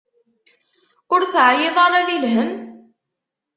Ur teɛyiḍ ara di lhemm?